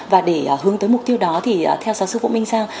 và để hướng tới mục tiêu đó thì theo giáo sư vũ minh sang